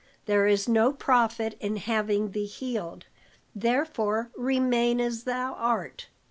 There is no profit in having thee healed, therefore remain as thou art."